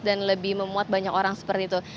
dan memuat banyak orang seperti itu